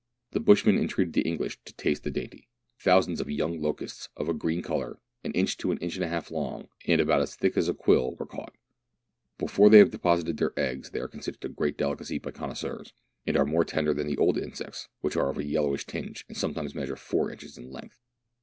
The bushman entreated the English to taste the dainty. Thousands of young locusts, of a green colour, an inch to an inch and a half long, and about as thick as a quill, were THREE ENGLISHMEN AND THREE RUSSIANS. 165 caught. Before they have deposited their eggs, they are considered a great delicacy by connoisseurs, and are more tender than the old insects, which are of a yellowish tinge, and sometimes measure four inches in length.